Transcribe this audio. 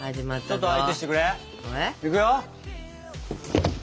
ちょっと相手してくれ。いくよ。